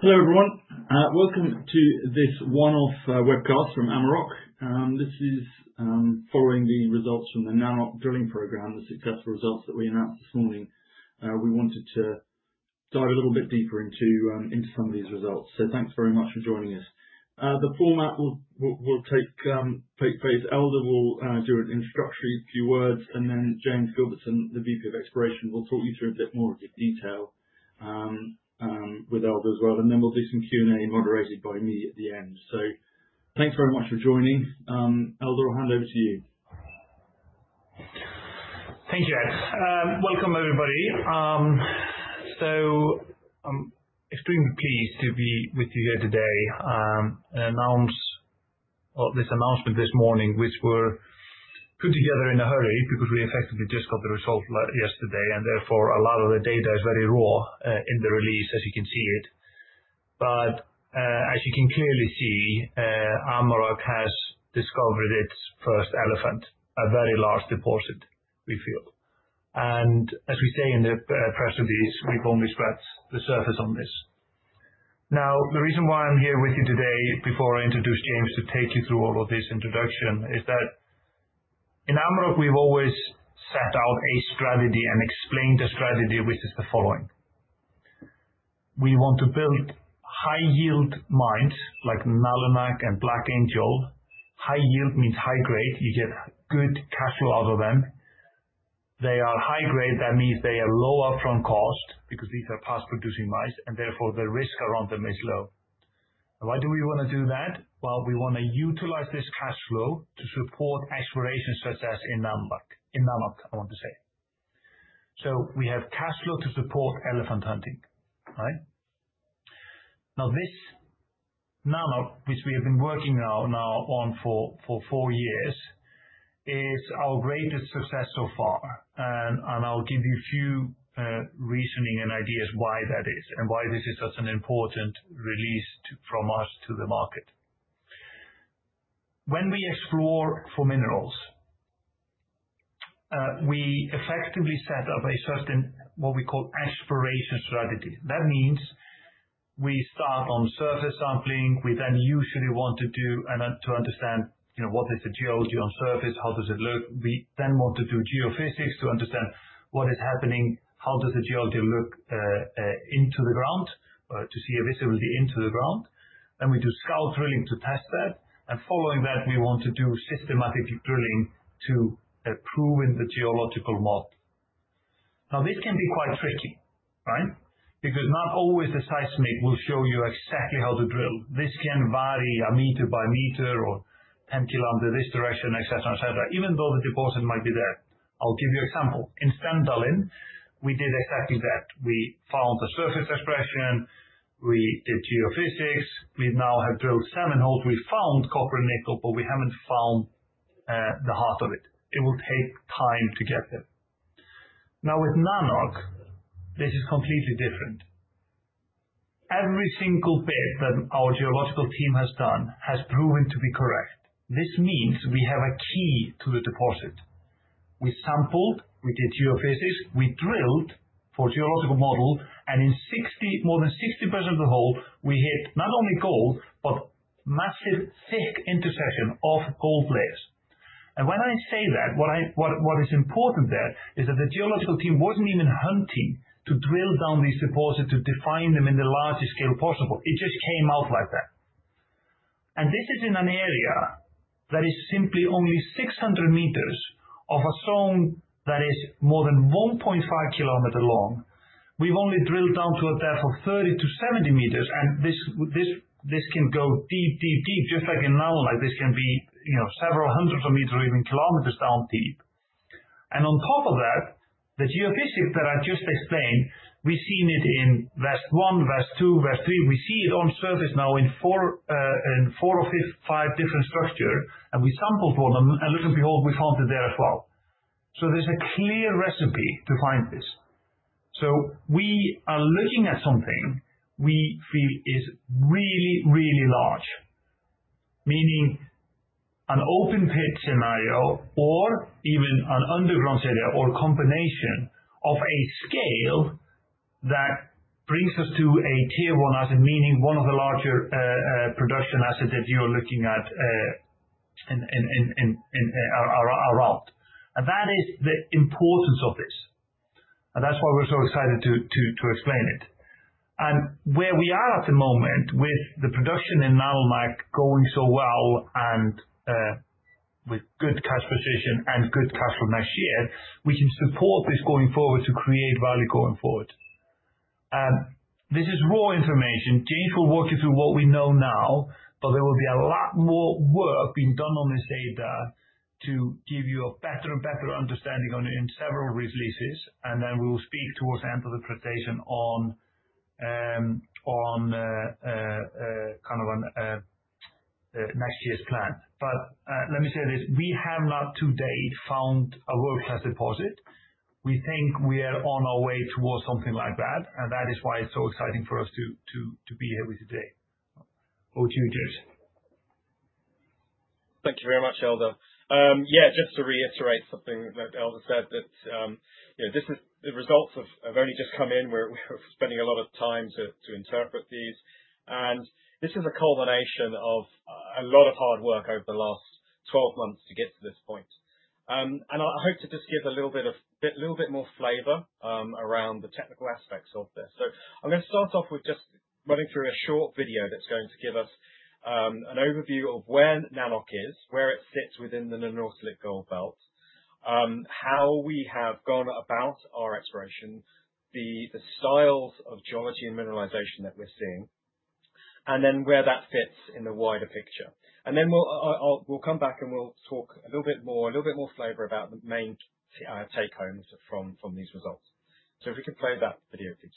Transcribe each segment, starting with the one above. Hello, everyone. Welcome to this one-off webcast from Amaroq. This is following the results from the Nanoq Drilling Program, the successful results that we announced this morning. We wanted to dive a little bit deeper into some of these results, so thanks very much for joining us. The format will take place: Eldur will do an introductory few words, and then James Gilbertson, the VP of Exploration, will talk you through a bit more of the detail with Eldur as well, and then we'll do some Q&A moderated by me at the end, so thanks very much for joining. Eldur, I'll hand over to you. Thank you, Ed. Welcome, everybody. So I'm extremely pleased to be with you here today and announce this announcement this morning, which we put together in a hurry because we effectively just got the results yesterday. And therefore, a lot of the data is very raw in the release, as you can see it. But as you can clearly see, Amaroq has discovered its first elephant, a very large deposit, we feel. And as we say in the press release, we've only scratched the surface on this. Now, the reason why I'm here with you today before I introduce James to take you through all of this introduction is that in Amaroq, we've always set out a strategy and explained a strategy, which is the following. We want to build high-yield mines like Nalunaq and Black Angel. High yield means high grade. You get good cash flow out of them. They are high grade. That means they are lower upfront cost because these are past-producing mines, and therefore, the risk around them is low. Why do we want to do that? Well, we want to utilize this cash flow to support exploration success in Nalunaq, I want to say, so we have cash flow to support elephant hunting. Now, this Nalunaq, which we have been working now on for four years, is our greatest success so far, and I'll give you a few reasoning and ideas why that is and why this is such an important release from us to the market. When we explore for minerals, we effectively set up a certain what we call exploration strategy. That means we start on surface sampling. We then usually want to do and to understand what is the geology on surface, how does it look. We then want to do geophysics to understand what is happening, how does the geology look into the ground to see a visibility into the ground, then we do scalp drilling to test that, and following that, we want to do systematic drilling to prove in the geological model. Now, this can be quite tricky because not always the seismic will show you exactly how to drill. This can vary a meter-by-meter or 10 km this direction, et cetera, et cetera, even though the deposit might be there. I'll give you an example. In Stendalen, we did exactly that. We found the surface expression. We did geophysics. We now have drilled seven holes. We found copper and nickel, but we haven't found the heart of it. It will take time to get there. Now, with Nalunaq, this is completely different. Every single bit that our geological team has done has proven to be correct. This means we have a key to the deposit. We sampled, we did geophysics, we drilled for a geological model, and in more than 60% of the hole, we hit not only gold, but massive thick intersection of gold layers, and when I say that, what is important there is that the geological team wasn't even hunting to drill down these deposits to define them in the largest scale possible. It just came out like that, and this is in an area that is simply only 600 meters of a zone that is more than 1.5 km long. We've only drilled down to a depth of 30 meters-70 meters, and this can go deep, deep, deep, just like in Nalunaq. This can be several hundreds of meters or even kilometers down deep. And on top of that, the geophysics that I just explained, we've seen it in West 1, West 2, West 3. We see it on surface now in four of five different structures, and we sampled one, and lo and behold, we found it there as well. So there's a clear recipe to find this. So we are looking at something we feel is really, really large, meaning an open pit scenario or even an underground set or a combination of a scale that brings us to a tier one asset, meaning one of the larger production assets that you are looking at around. And that is the importance of this. And that's why we're so excited to explain it. And where we are at the moment with the production in Nalunaq going so well and with good cash position and good cash flow next year, we can support this going forward to create value going forward. This is raw information. James will walk you through what we know now, but there will be a lot more work being done on this data to give you a better and better understanding in several releases. And then we will speak towards the end of the presentation on kind of next year's plan. But let me say this. We have not to date found a world-class deposit. We think we are on our way towards something like that, and that is why it's so exciting for us to be here with you today. Over to you, James. Thank you very much, Eldur. Yeah, just to reiterate something that Eldur said, that the results have only just come in. We're spending a lot of time to interpret these. And this is a culmination of a lot of hard work over the last 12 months to get to this point. And I hope to just give a little bit more flavor around the technical aspects of this. So I'm going to start off with just running through a short video that's going to give us an overview of where Nalunaq is, where it sits within the Nanortalik Gold Belt, how we have gone about our exploration, the styles of geology and mineralization that we're seeing, and then where that fits in the wider picture. And then we'll come back and we'll talk a little bit more, a little bit more flavor about the main take-homes from these results. So if we could play that video, please.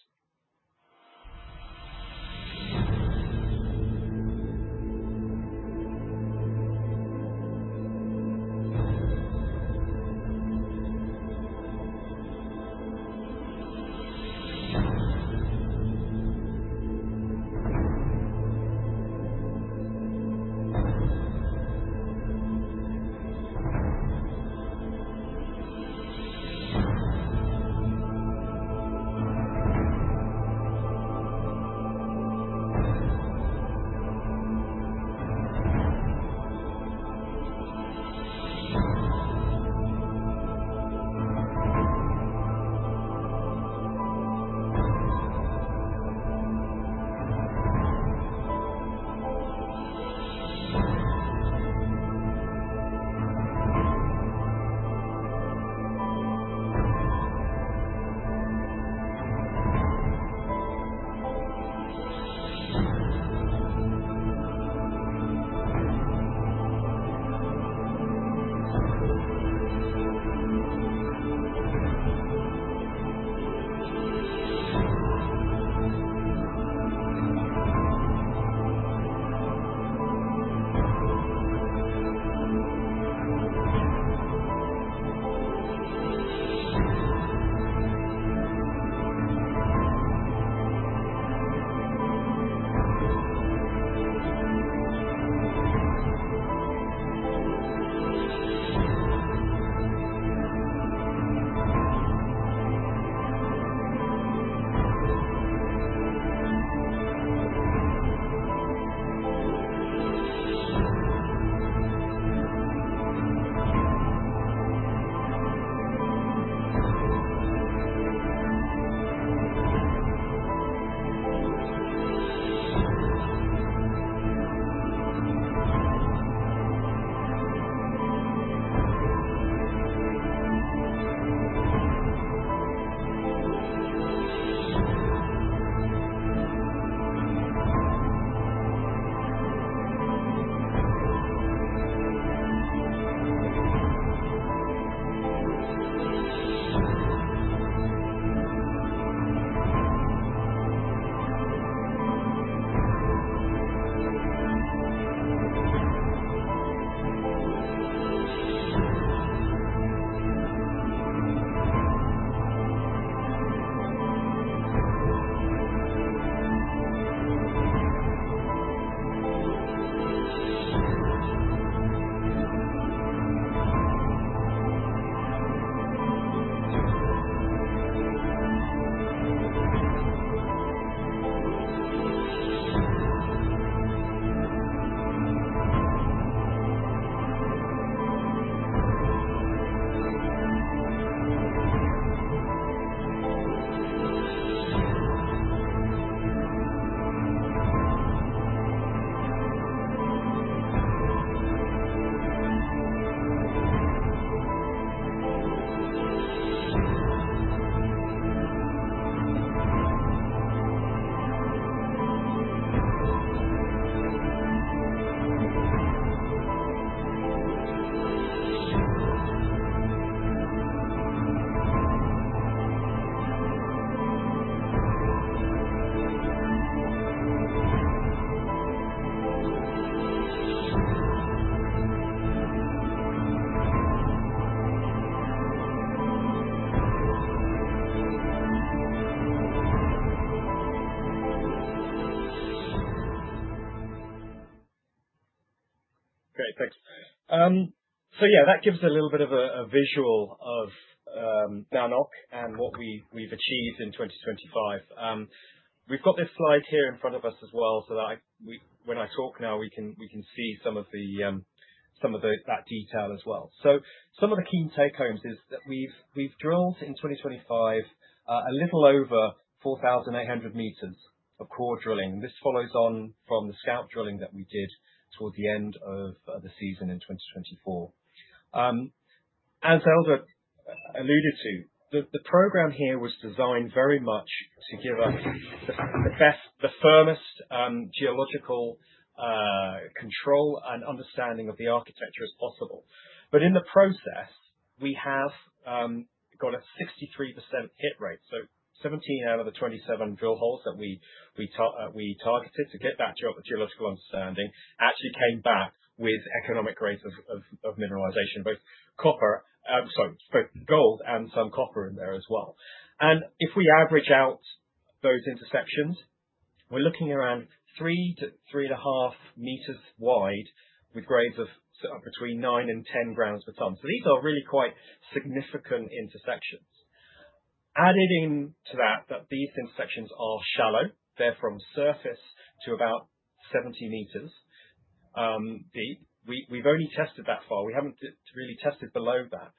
Great. Thanks. So yeah, that gives us a little bit of a visual of Nalunaq and what we've achieved in 2025. We've got this slide here in front of us as well so that when I talk now, we can see some of that detail as well. So some of the key take-homes is that we've drilled in 2025 a little over 4,800 meters of core drilling. This follows on from the scout drilling that we did towards the end of the season in 2024. As Eldur alluded to, the program here was designed very much to give us the firmest geological control and understanding of the architecture as possible. But in the process, we have got a 63% hit rate. 17 out of the 27 drill holes that we targeted to get that geological understanding actually came back with economic rates of mineralization, both gold and some copper in there as well. If we average out those interceptions, we're looking around three to three and a half meters wide with grades of between nine and 10 grams per ton. These are really quite significant interceptions. Added in to that, these interceptions are shallow. They're from surface to about 70 meters deep. We've only tested that far. We haven't really tested below that.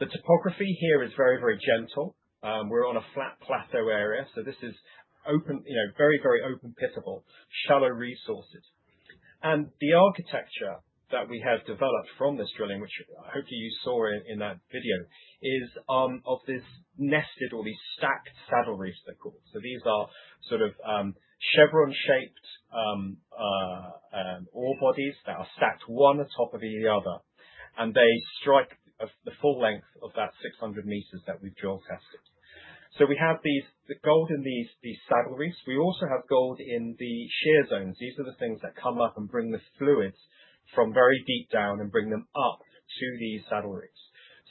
The topography here is very, very gentle. We're on a flat plateau area. This is very, very open-pittable, shallow resources. The architecture that we have developed from this drilling, which hopefully you saw in that video, is of this nested or these stacked saddle reefs, they're called. So these are sort of chevron-shaped ore bodies that are stacked one on top of the other. And they strike the full length of that 600 meters that we've drill tested. So we have the gold in these saddle reefs. We also have gold in the shear zones. These are the things that come up and bring the fluids from very deep down and bring them up to these saddle reefs.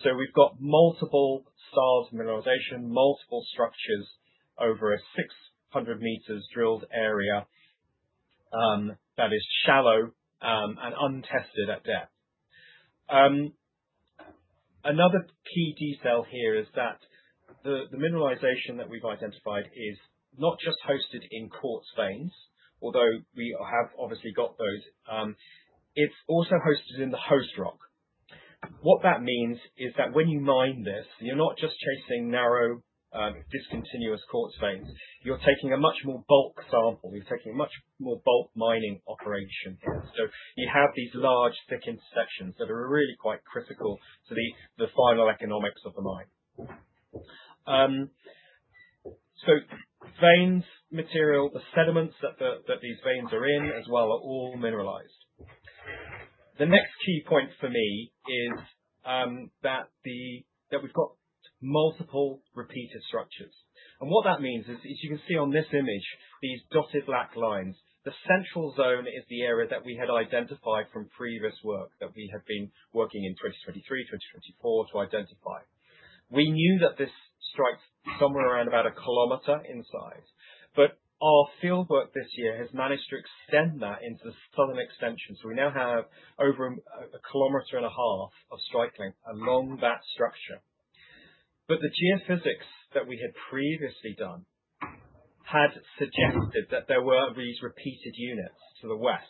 So we've got multiple styles of mineralization, multiple structures over a 600 meters drilled area that is shallow and untested at depth. Another key detail here is that the mineralization that we've identified is not just hosted in quartz veins, although we have obviously got those. It's also hosted in the host rock. What that means is that when you mine this, you're not just chasing narrow, discontinuous quartz veins. You're taking a much more bulk sample. You're taking a much more bulk mining operation here. So you have these large, thick interceptions that are really quite critical to the final economics of the mine. So veins, material, the sediments that these veins are in as well are all mineralized. The next key point for me is that we've got multiple repeated structures. And what that means is, as you can see on this image, these dotted black lines, the Central Zone is the area that we had identified from previous work that we had been working in 2023, 2024 to identify. We knew that this strikes somewhere around about a kilometer in size, but our fieldwork this year has managed to extend that into the southern extension. So we now have over a kilometer and a half of strike length along that structure. The geophysics that we had previously done had suggested that there were these repeated units to the west.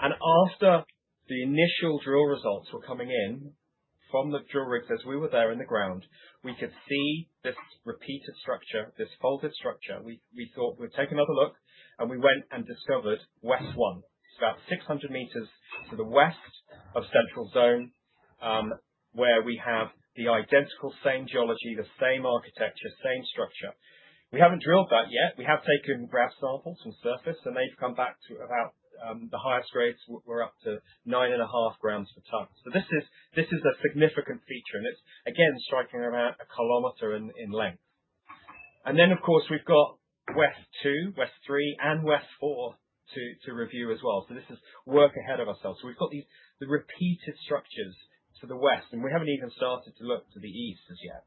After the initial drill results were coming in from the drill rigs as we were there on the ground, we could see this repeated structure, this folded structure. We thought we'd take another look, and we went and discovered West 1. It's about 600 meters to the west of Central Zone where we have the identical same geology, the same architecture, same structure. We haven't drilled that yet. We have taken grab samples from surface, and they've come back to about the highest grades. We're up to nine and a half grams per ton. This is a significant feature, and it's again stretching around a kilometer in length. Of course, we've got West 2, West 3, and West 4 to review as well. So this is working ahead of ourselves. So we've got the repeated structures to the west, and we haven't even started to look to the east as yet.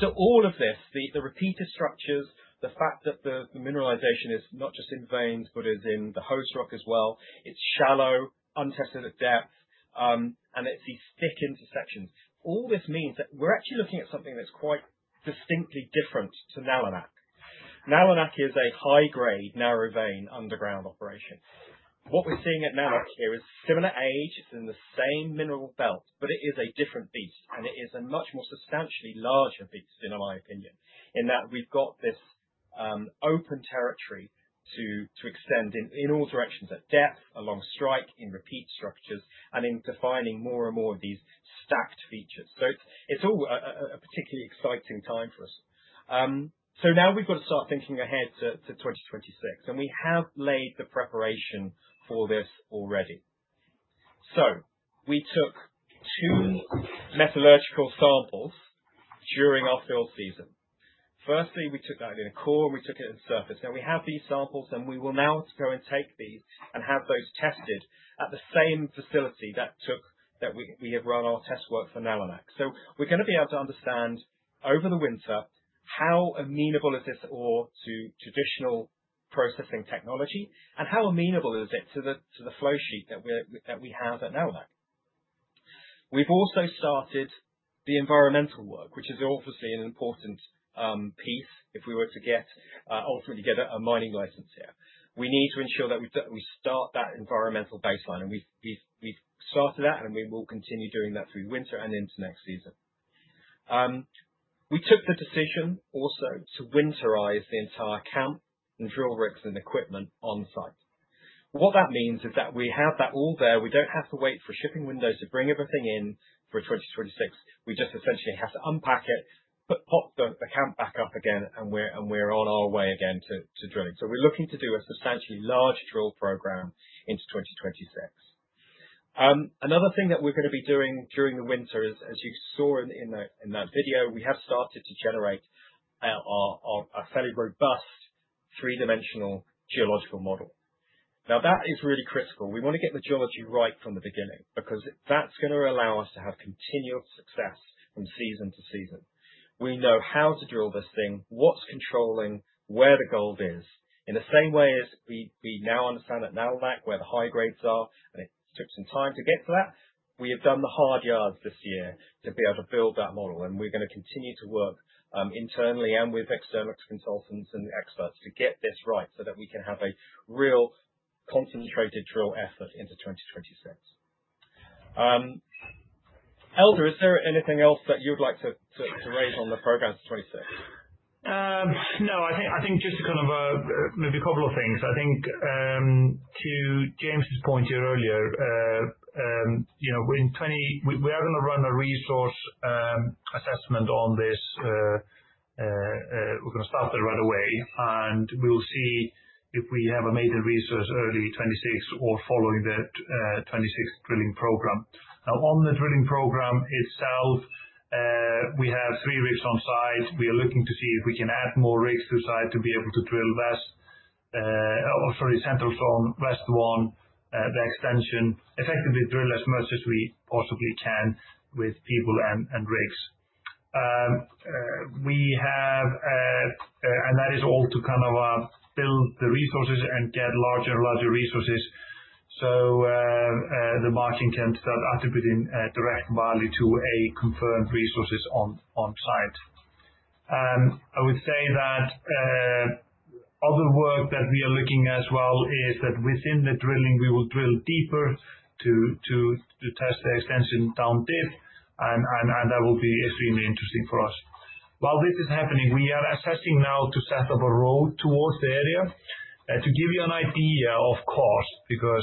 So all of this, the repeated structures, the fact that the mineralization is not just in veins, but is in the host rock as well. It's shallow, untested at depth, and it's these thick intercepts. All this means that we're actually looking at something that's quite distinctly different to Nalunaq. Nalunaq is a high-grade, narrow vein underground operation. What we're seeing at Nanoq here is similar age. It's in the same mineral belt, but it is a different beast, and it is a much more substantially larger beast, in my opinion, in that we've got this open territory to extend in all directions at depth, along strike, in repeat structures, and in defining more and more of these stacked features. So it's all a particularly exciting time for us. So now we've got to start thinking ahead to 2026, and we have laid the preparation for this already. So we took two metallurgical samples during our field season. Firstly, we took that in a core. We took it in surface. Now we have these samples, and we will now go and take these and have those tested at the same facility that we have run our test work for Nalunaq. So we're going to be able to understand over the winter how amenable is this ore to traditional processing technology and how amenable is it to the flow sheet that we have at Nalunaq. We've also started the environmental work, which is obviously an important piece if we were to ultimately get a mining license here. We need to ensure that we start that environmental baseline, and we've started that, and we will continue doing that through winter and into next season. We took the decision also to winterize the entire camp and drill rigs and equipment on site. What that means is that we have that all there. We don't have to wait for a shipping window to bring everything in for 2026. We just essentially have to unpack it, pop the camp back up again, and we're on our way again to drilling. So we're looking to do a substantially larger drill program into 2026. Another thing that we're going to be doing during the winter is, as you saw in that video, we have started to generate a fairly robust three-dimensional geological model. Now, that is really critical. We want to get the geology right from the beginning because that's going to allow us to have continual success from season to season. We know how to drill this thing, what's controlling, where the gold is. In the same way as we now understand at Nalunaq where the high grades are, and it took some time to get to that, we have done the hard yards this year to be able to build that model. And we're going to continue to work internally and with external consultants and experts to get this right so that we can have a real concentrated drill effort into 2026. Eldur, is there anything else that you'd like to raise on the program for 2026? No, I think just to kind of maybe a couple of things. I think to James's point earlier, we are going to run a resource assessment on this. We're going to start that right away, and we will see if we have a major resource early 2026 or following the 2026 drilling program. Now, on the drilling program itself, we have three rigs on site. We are looking to see if we can add more rigs to site to be able to drill Central Zone, West 1, the extension, effectively drill as much as we possibly can with people and rigs. That is all to kind of build the resources and get larger and larger resources so the margin can start attributing direct value to a confirmed resource on site. I would say that other work that we are looking at as well is that within the drilling, we will drill deeper to test the extension down deep, and that will be extremely interesting for us. While this is happening, we are assessing now to set up a road towards the area. To give you an idea of cost, because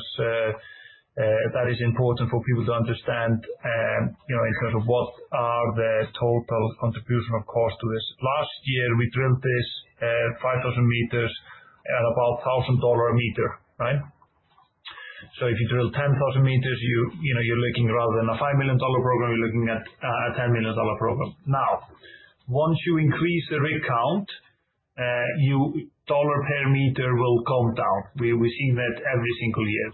that is important for people to understand in terms of what are the total contribution of cost to this. Last year, we drilled this 5,000 meters at about $1,000 a meter, right? So if you drill 10,000 meters, you're looking rather than a $5 million program, you're looking at a $10 million program. Now, once you increase the rig count, your dollar per meter will come down. We've seen that every single year.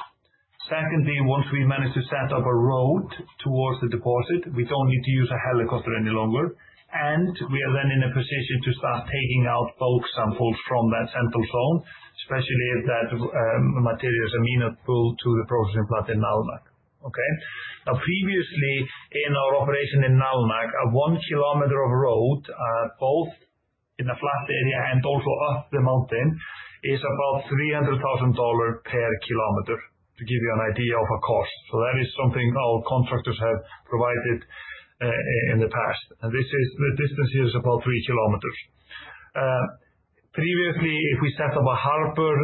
Secondly, once we manage to set up a road towards the deposit, we don't need to use a helicopter any longer, and we are then in a position to start taking out bulk samples from that Central Zone, especially if that material is amenable to the processing plant in Nalunaq. Now, previously, in our operation in Nalunaq, a 1km of road, both in the flat area and also up the mountain, is about $300,000 per kilometer to give you an idea of a cost, so that is something our contractors have provided in the past, and the distance here is about 3km. Previously, if we set up a harbor,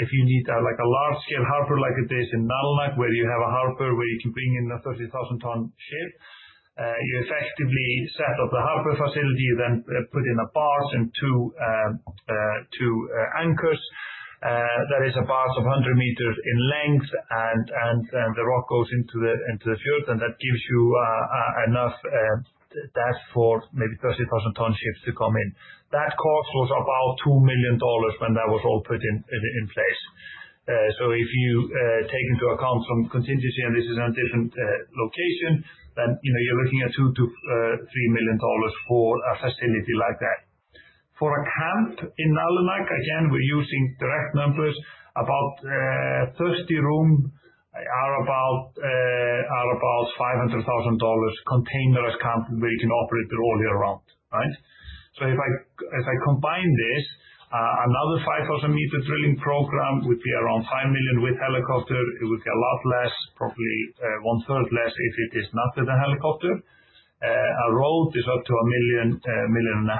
if you need a large-scale harbor like it is in Nalunaq, where you have a harbor where you can bring in a 30,000-ton ship, you effectively set up the harbor facility, then put in a barge and two anchors. That is a barge of 100 meters in length, and the rock goes into the fjord, and that gives you enough draft for maybe 30,000-ton ships to come in. That cost was about $2 million when that was all put in place. So if you take into account some contingency, and this is a different location, then you're looking at $2 million-$3 million for a facility like that. For a camp in Nalunaq, again, we're using direct numbers. About 30 rooms are about $500,000 containerless camp where you can operate the road year-round, right? So if I combine this, another 5,000-meter drilling program would be around $5 million with helicopter. It would be a lot less, probably one-third less if it is not with a helicopter. A road is up to $1 million, $1.5 million,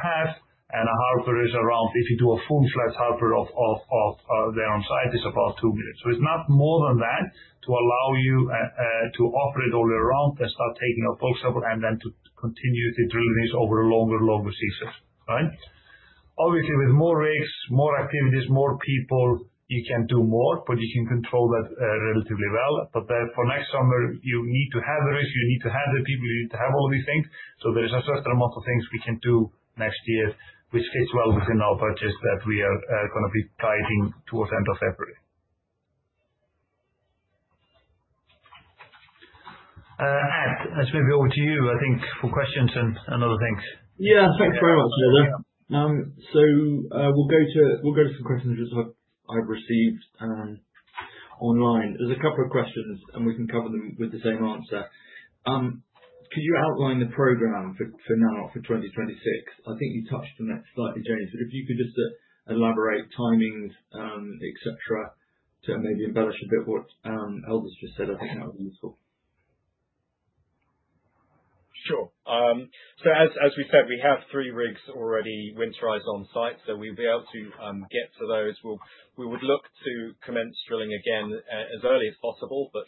and a harbor is around, if you do a full-fledged harbor there on site, it's about $2 million. So it's not more than that to allow you to operate all year round and start taking out bulk samples and then to continue to drill these over a longer, longer season, right? Obviously, with more rigs, more activities, more people, you can do more, but you can control that relatively well. But for next summer, you need to have the rigs. You need to have the people. You need to have all of these things. So there is a certain amount of things we can do next year, which fits well within our budgets that we are going to be tightening towards the end of February. Ed, that's maybe over to you, I think, for questions and other things. Yeah, thanks very much, Eldur. So we'll go to some questions which I've received online. There's a couple of questions, and we can cover them with the same answer. Could you outline the program for Nalunaq for 2026? I think you touched on it slightly, James, but if you could just elaborate timings, etc., to maybe embellish a bit what Eldur's just said, I think that would be useful. Sure. So as we said, we have three rigs already winterized on site, so we'll be able to get to those. We would look to commence drilling again as early as possible, but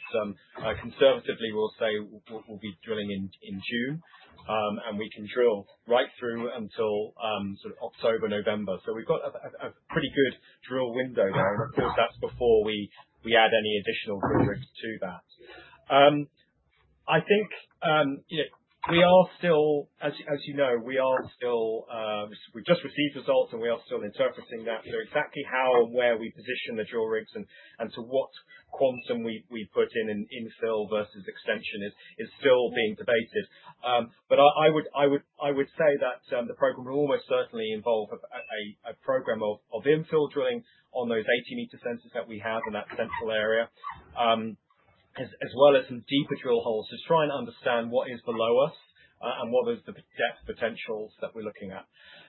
conservatively, we'll say we'll be drilling in June, and we can drill right through until sort of October, November. So we've got a pretty good drill window there, and of course, that's before we add any additional drill rigs to that. I think we are still, as you know, we've just received results, and we are still interpreting that. So exactly how and where we position the drill rigs and to what quantum we put in infill versus extension is still being debated. But I would say that the program will almost certainly involve a program of infill drilling on those 80-meter centers that we have in that central area, as well as some deeper drill holes to try and understand what is below us and what are the depth potentials that we're looking at.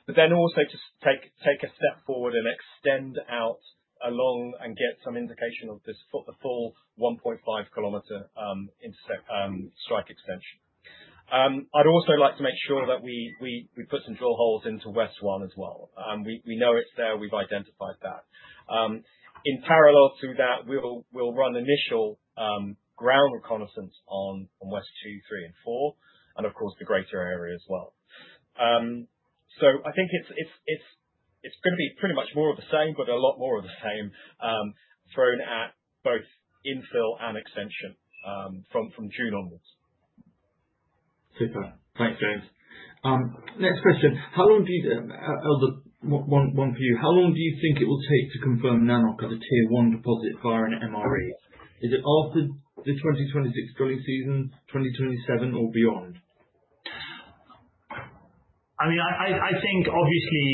But then also to take a step forward and extend out along and get some indication of the full 1.5km strike extension. I'd also like to make sure that we put some drill holes into West 1 as well. We know it's there. We've identified that. In parallel to that, we'll run initial ground reconnaissance on West 2, 3, and 4, and of course, the greater area as well. So I think it's going to be pretty much more of the same, but a lot more of the same, thrown at both infill and extension from June onwards. Super. Thanks, James. Next question. Eldur, one for you. How long do you think it will take to confirm Nalunaq as a tier-one deposit via an MRE? Is it after the 2026 drilling season, 2027, or beyond? I mean, I think, obviously,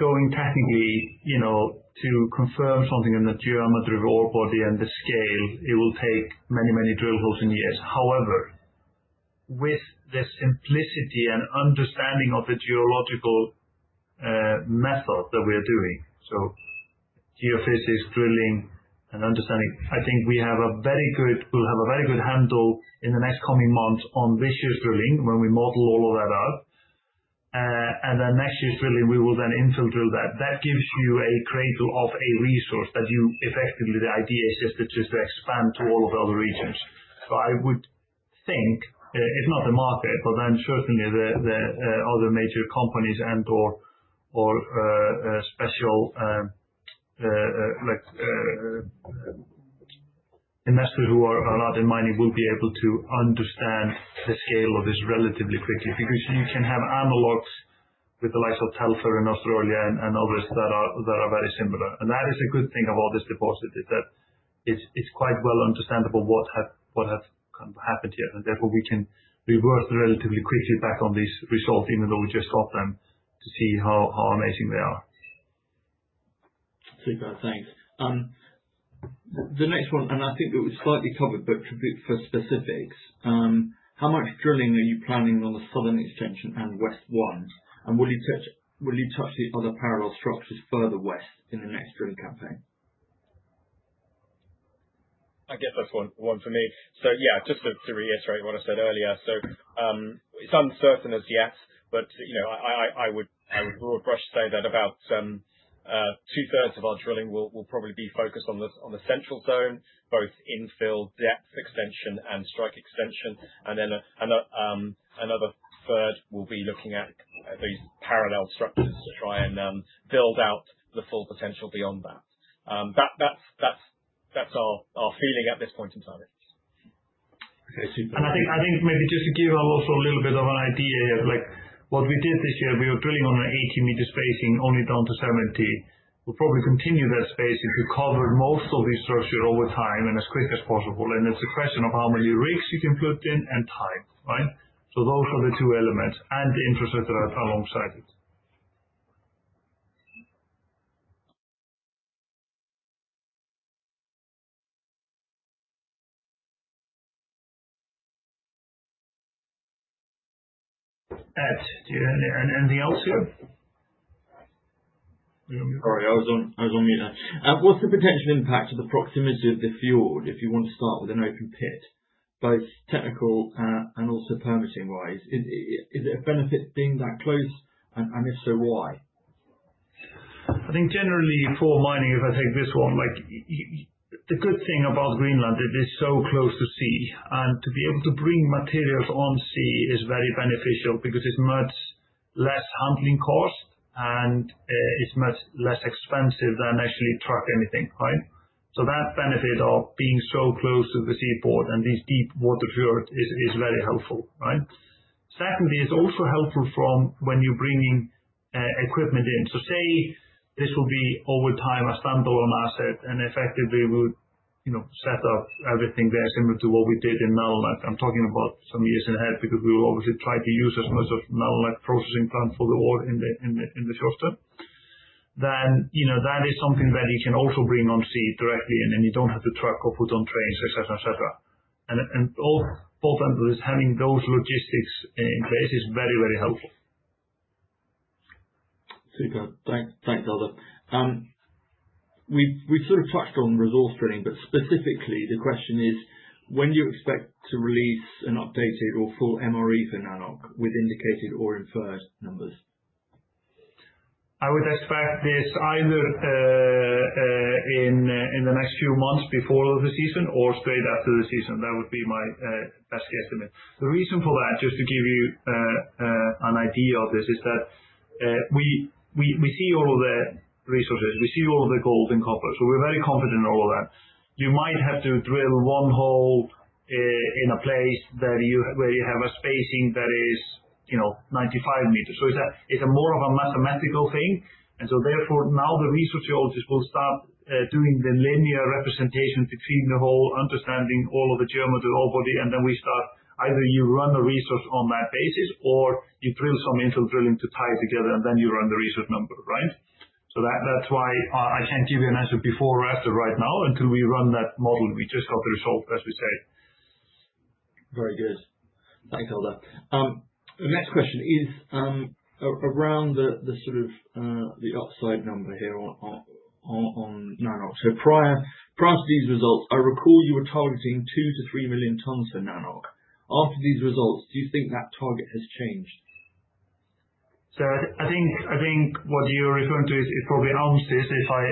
going technically, to confirm something in the geometry of the ore body and the scale, it will take many, many drill holes and years. However, with the simplicity and understanding of the geological method that we are doing, so geophysics, drilling, and understanding, I think we have a very good, we'll have a very good handle in the next coming months on this year's drilling when we model all of that out, and then next year's drilling, we will then infill drill that. That gives you a cradle of a resource that you effectively, the idea is just to expand to all of the other regions. So I would think, if not the market, but then certainly the other major companies and/or special investors who are not in mining will be able to understand the scale of this relatively quickly because you can have analogs with the likes of Telfer in Australia and others that are very similar. And that is a good thing of all this deposit is that it's quite well understandable what has kind of happened here. And therefore, we can revert relatively quickly back on these results, even though we just got them, to see how amazing they are. Super. Thanks. The next one, and I think we've slightly covered, but for specifics, how much drilling are you planning on the southern extension and West 1? And will you touch the other parallel structures further west in the next drilling campaign? I guess that's one for me. So yeah, just to reiterate what I said earlier, so it's uncertain as yet, but I would broad brush say that about 2/3 of our drilling will probably be focused on the Central Zone, both infill depth extension and strike extension. And then another third will be looking at these parallel structures to try and build out the full potential beyond that. That's our feeling at this point in time. Okay, super. And I think maybe just to give also a little bit of an idea here, what we did this year, we were drilling on an 80 meter spacing only down to 70. We'll probably continue that spacing to cover most of these structures over time and as quick as possible. And it's a question of how many rigs you can put in and time, right? So those are the two elements and the infrastructure that's alongside it. Ed, do you have anything else here? Sorry, I was on mute. What's the potential impact of the proximity of the fjord if you want to start with an open pit, both technical and also permitting-wise? Is it a benefit being that close? And if so, why? I think generally for mining, if I take this one, the good thing about Greenland is it is so close to sea. And to be able to bring materials on sea is very beneficial because it's much less handling cost, and it's much less expensive than actually trucking anything, right? So that benefit of being so close to the seaport and these deep water fjords is very helpful, right? Secondly, it's also helpful from when you're bringing equipment in. So say this will be over time a standalone asset, and effectively we would set up everything there similar to what we did in Nalunaq. I'm talking about some years ahead because we will obviously try to use as much of Nalunaq processing plant for the ore in the short term. Then that is something that you can also bring by sea directly, and then you don't have to truck or put on trains, etc., etc. And both ends, having those logistics in place is very, very helpful. Super. Thanks, Eldur. We've sort of touched on resource drilling, but specifically, the question is, when do you expect to release an updated or full MRE for Nalunaq with indicated or inferred numbers? I would expect this either in the next few months before the season or straight after the season. That would be my best guesstimate. The reason for that, just to give you an idea of this, is that we see all of the resources. We see all of the gold and copper, so we're very confident in all of that. You might have to drill one hole in a place where you have a spacing that is 95 meters, so it's more of a mathematical thing, and so therefore, now the resource geologists will start doing the linear representation to clean the hole, understanding all of the geometry of the ore body, and then we start either you run a resource on that basis, or you drill some infill drilling to tie it together, and then you run the resource number, right? That's why I can't give you an answer before or after right now until we run that model. We just got the result, as we said. Very good. Thanks, Eldur. The next question is around the sort of the upside number here on Nalunaq. So prior to these results, I recall you were targeting two to three million tons for Nalunaq. After these results, do you think that target has changed? I think what you're referring to is probably ounces. I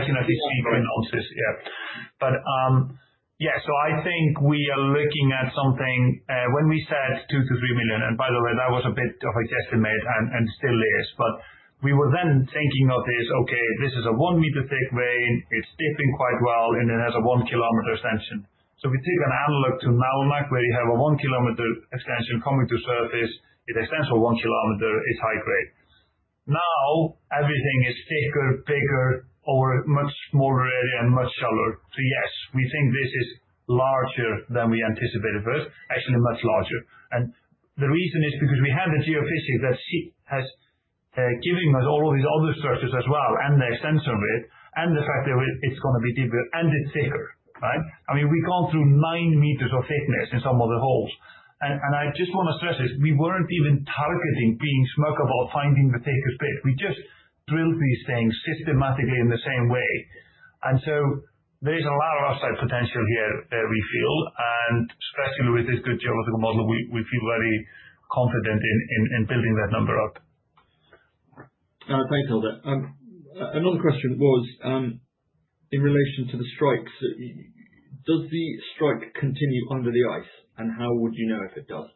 cannot speak in ounces, yeah. Yeah, so I think we are looking at something when we said $2 million-$3 million, and by the way, that was a bit of a guesstimate and still is. We were then thinking of this. Okay, this is a one-meter-thick vein. It's dipping quite well, and it has a 1km extension. If we take an analog to Nalunaq where you have a 1km extension coming to surface, it extends for 1km. It's high grade. Now everything is thicker, bigger, or a much smaller area and much shallower. Yes, we think this is larger than we anticipated first, actually much larger. And the reason is because we had the geophysics that has given us all of these other structures as well, and the extension of it, and the fact that it's going to be deeper, and it's thicker, right? I mean, we've gone through nine meters of thickness in some of the holes. And I just want to stress this. We weren't even targeting, being smug about finding the thickest bit. We just drilled these things systematically in the same way. And so there is a lot of upside potential here that we feel, and especially with this good geological model, we feel very confident in building that number up. Thanks, Eldur. Another question was in relation to the strikes. Does the strike continue under the ice, and how would you know if it does?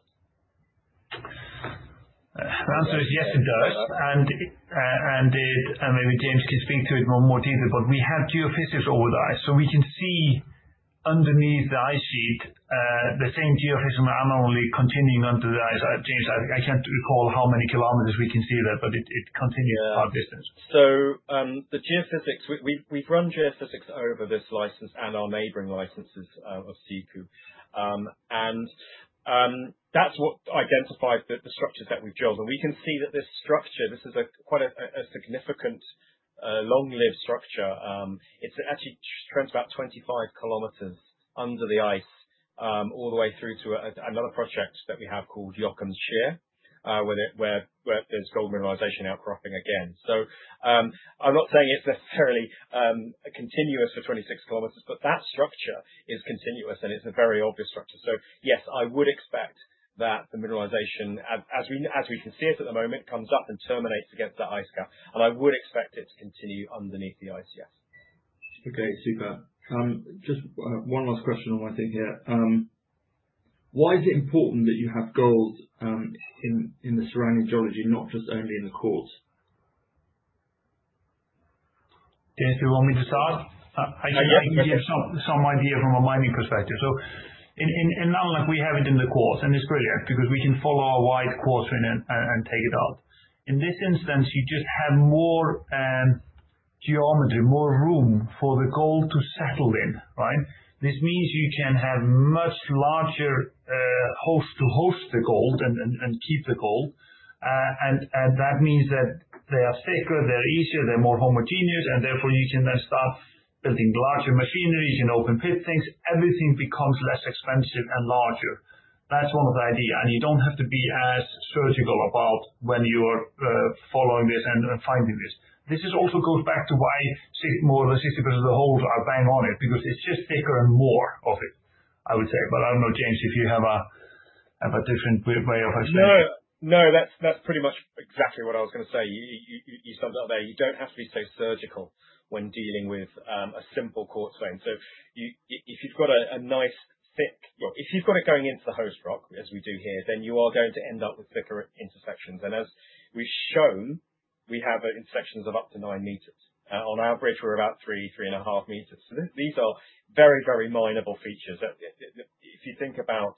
The answer is yes, it does. And maybe James can speak to it in more detail, but we have geophysics over the ice. So we can see underneath the ice sheet the same geophysical anomaly continuing under the ice. James, I can't recall how many kilometers we can see that, but it continues for our distance. So the geophysics, we've run geophysics over this license and our neighboring licenses of SeaCoop. And that's what identified the structures that we've drilled. And we can see that this structure, this is quite a significant long-lived structure. It actually runs about 25 km under the ice all the way through to another project that we have called Jokum's Shear, where there's gold mineralization outcropping again. So I'm not saying it's necessarily continuous for 26 km, but that structure is continuous, and it's a very obvious structure. So yes, I would expect that the mineralization, as we can see it at the moment, comes up and terminates against that ice cap. And I would expect it to continue underneath the ice, yes. Okay, super. Just one last question on my thing here. Why is it important that you have gold in the surrounding geology, not just only in the quartz? James, do you want me to start? I can give you some idea from a mining perspective. So in Nalunaq, we have it in the quartz, and it's brilliant because we can follow a wide quartz vein and take it out. In this instance, you just have more geometry, more room for the gold to settle in, right? This means you can have much larger holes to host the gold and keep the gold. And that means that they are thicker, they're easier, they're more homogeneous, and therefore you can then start building larger machinery. You can open pit things. Everything becomes less expensive and larger. That's one of the ideas. And you don't have to be as surgical about when you are following this and finding this. This also goes back to why more than 60% of the holes are bang on it because it's just thicker and more of it, I would say. But I don't know, James, if you have a different way of explaining it. No, that's pretty much exactly what I was going to say. You summed it up there. You don't have to be so surgical when dealing with a simple quartz vein. So if you've got a nice thick, if you've got it going into the host rock, as we do here, then you are going to end up with thicker intersections, and as we've shown, we have intersections of up to nine meters. On average, we're about three, three and a half meters, so these are very, very minable features. If you think about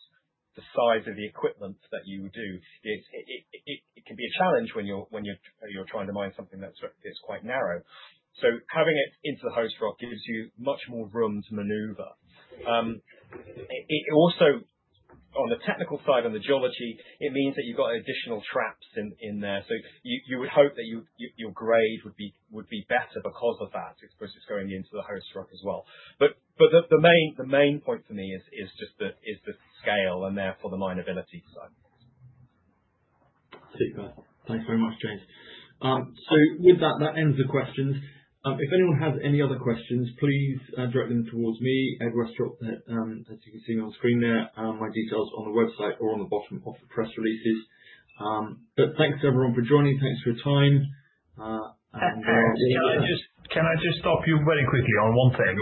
the size of the equipment that you would do, it can be a challenge when you're trying to mine something that's quite narrow, so having it into the host rock gives you much more room to maneuver. Also, on the technical side and the geology, it means that you've got additional traps in there. So you would hope that your grade would be better because of that because it's going into the host rock as well. But the main point for me is just the scale and therefore the mineability, so. Super. Thanks very much, James. So with that, that ends the questions. If anyone has any other questions, please direct them toward me, Edward Westropp, as you can see me on screen there. My details are on the website or on the bottom of the press releases. But thanks to everyone for joining. Thanks for your time. Can I just stop you very quickly on one thing?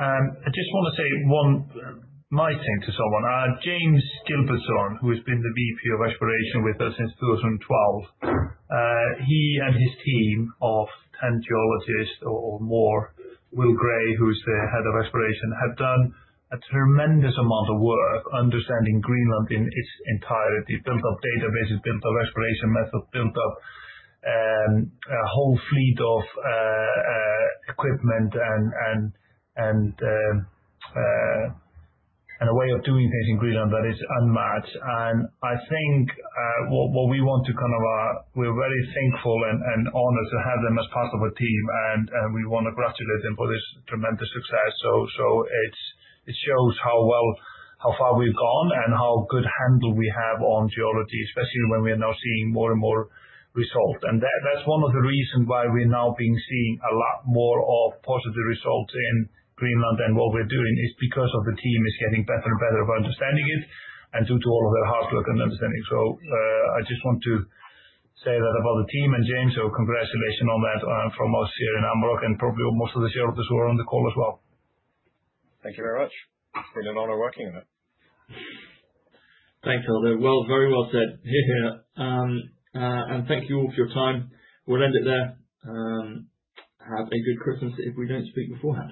I just want to say my thing to someone. James Gilbertson, who has been the VP of Exploration with us since 2012, he and his team of 10 geologists or more, Will Gray, who is the Head of Exploration, have done a tremendous amount of work understanding Greenland in its entirety, built up databases, built up exploration methods, built up a whole fleet of equipment and a way of doing things in Greenland that is unmatched. And I think what we want to kind of, we're very thankful and honored to have them as part of a team, and we want to congratulate them for this tremendous success. So it shows how far we've gone and how good handle we have on geology, especially when we are now seeing more and more results. That's one of the reasons why we're now being seen a lot more of positive results in Greenland than what we're doing is because the team is getting better and better of understanding it and due to all of their hard work and understanding. I just want to say that about the team. James, congratulations on that from us here in Amaroq and probably most of the geologists who are on the call as well. Thank you very much. It's been an honor working on it. Thanks, Eldur. Well, very well said here. And thank you all for your time. We'll end it there. Have a good Christmas if we don't speak beforehand.